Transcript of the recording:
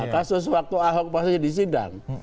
kasus waktu ahok pasti disidang